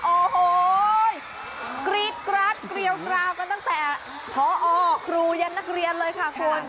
โอ้โหกรี๊ดกราดเกลียวกราวกันตั้งแต่พอครูยันนักเรียนเลยค่ะคุณ